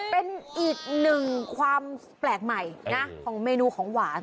เป็นอีกหนึ่งความแปลกใหม่นะของเมนูของหวาน